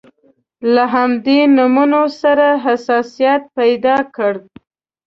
له همدې نومونو سره حساسیت پیدا کړ.